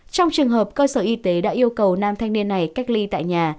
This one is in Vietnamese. trong trường hợp cơ sở y tế đã yêu cầu nam thanh niên này cách ly tại nhà